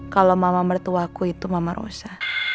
kalau mama mertuaku itu mama rosa